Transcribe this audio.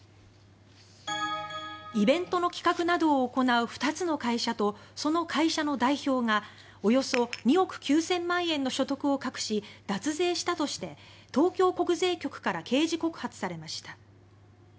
イベントの企画などを行う２つの会社と、その会社の代表がおよそ２億９０００万円の所得を隠し、脱税したとして東京国税局から刑事告発されました。